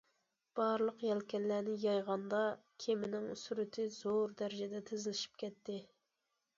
بارلىق يەلكەنلەرنى يايغاندا كېمىنىڭ سۈرئىتى زور دەرىجىدە تېزلىشىپ كېتەتتى.